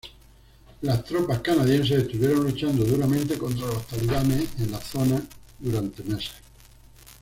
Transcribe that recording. Las tropas canadienses estuvieron luchando duramente contra los talibanes en la zona durante meses.